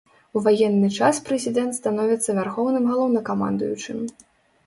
У ваенны час прэзідэнт становіцца вярхоўным галоўнакамандуючым.